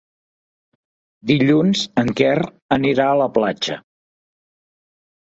Dilluns en Quer anirà a la platja.